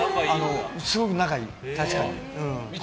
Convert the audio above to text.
すごく仲いい、確かに。